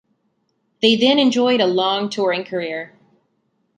They then enjoyed a long touring career.